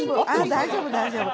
大丈夫、大丈夫。